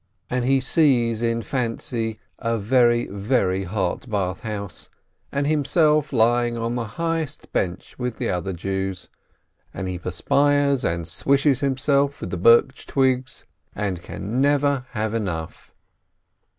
And he sees in fancy a very, very hot bath house, and himself lying on the highest bench with other Jews, and he perspires and swishes himself with the birch twigs, and can never have enough.